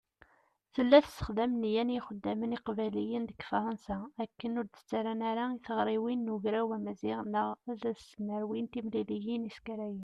Tella tessexdam nniya n yixeddamen iqbayliyen deg Fṛansa akken ur d-ttarran ara i tiɣriwin n Ugraw Amaziɣ neɣ ad s-nerwin timliliyin iskarayen.